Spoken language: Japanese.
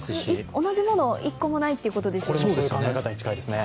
同じ物が１個もないということですよね。